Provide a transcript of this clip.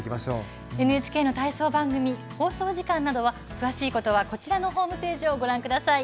ＮＨＫの体操番組放送時間など詳しくはこちらのホームページをご覧ください。